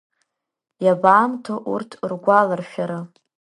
Иабаамҭоу урҭ ргәаларшәара.